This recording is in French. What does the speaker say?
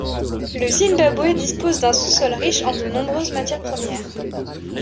Le Zimbabwe dispose d'un sous-sol riche en de nombreuses matières premières.